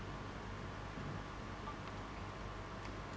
ก็ต้องทำอย่างที่บอกว่าช่องคุณวิชากำลังทำอยู่นั่นนะครับ